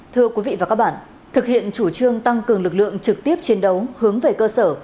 thưa quý vị và các bạn thực hiện chủ trương tăng cường lực lượng trực tiếp chiến đấu hướng về cơ sở